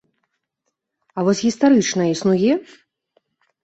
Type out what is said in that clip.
А вось гістарычная існуе?